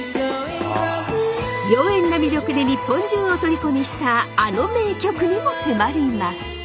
妖艶な魅力で日本中をとりこにしたあの名曲にも迫ります！